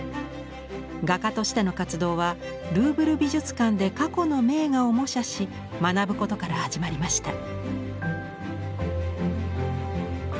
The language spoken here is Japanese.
画家としての活動はルーブル美術館で過去の名画を模写し学ぶことから始まりました。